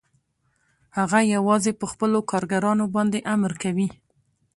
هغه یوازې په خپلو کارګرانو باندې امر کوي